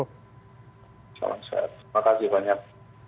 salam sehat terima kasih banyak